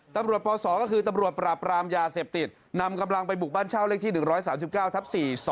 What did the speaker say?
ปศก็คือตำรวจปราบรามยาเสพติดนำกำลังไปบุกบ้านเช่าเลขที่๑๓๙ทับ๔๒